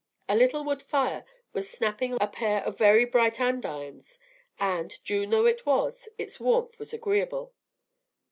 A little wood fire was snapping on a pair of very bright andirons, and, June though it was, its warmth was agreeable.